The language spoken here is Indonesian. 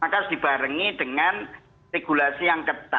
maka harus dibarengi dengan regulasi yang ketat